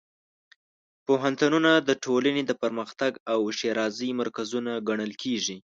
پوهنتونونه د ټولنې د پرمختګ او ښېرازۍ مرکزونه ګڼل کېږي.